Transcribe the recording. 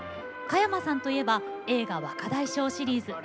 加山さんといえば映画「若大将」シリーズ。